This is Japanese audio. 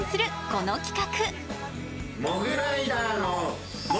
この企画。